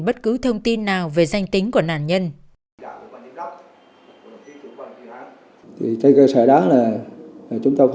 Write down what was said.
bất cứ thông tin nào về danh tính